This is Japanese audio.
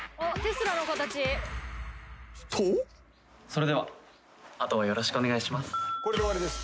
「それでは後はよろしくお願いします」